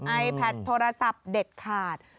ไอแพทโทรศัพท์เด็ดขาด